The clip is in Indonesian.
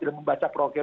yang membaca projek